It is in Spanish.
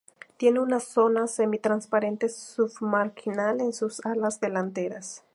Tiene una zona semi-transparente submarginal en sus alas delanteras.